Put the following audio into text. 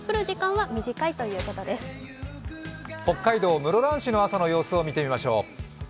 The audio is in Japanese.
北海道室蘭市の朝の様子を見てみましょう。